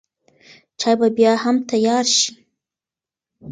چای به بیا هم تیار شي.